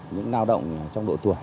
nhiều lao động trong độ tuổi